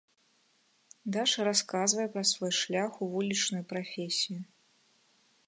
Даша расказвае пра свой шлях у вулічную прафесію.